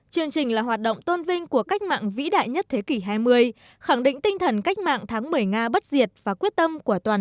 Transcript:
chương trình là hoạt động tôn vinh của cách mạng vĩ đại nhất thế kỷ hai mươi khẳng định tinh thần cách mạng tháng một mươi nga bất diệt và quyết tâm của toàn đảng